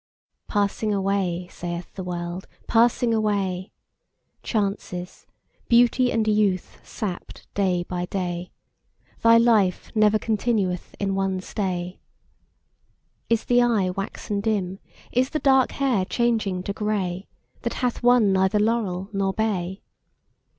Passing away, saith the World, passing away: Chances, beauty and youth sapped day by day: Thy life never continueth in one stay. Is the eye waxen dim, is the dark hair changing to gray That hath won neither laurel nor bay?